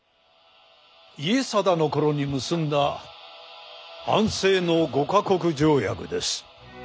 家定の頃に結んだ安政の五カ国条約です。